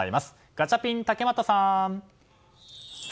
ガチャピン、竹俣さん！